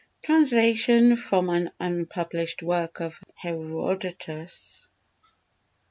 Translation from an Unpublished Work of Herodotus ii.